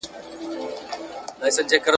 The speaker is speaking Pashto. ښځه یم، کمزورې نه یم!.